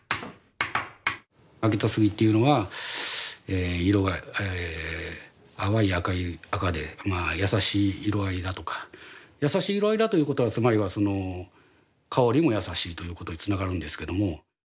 秋田杉というのは色が淡い赤で優しい色合いだとか優しい色合いだということはつまりは香りも優しいということにつながるんですけども。